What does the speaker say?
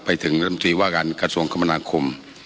ไปถึงรมทรีย์ว่าการกระทรวงคมณาคม